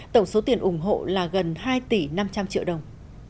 tổng số tiền ủng hộ là gần hai tỷ năm trăm linh triệu đồng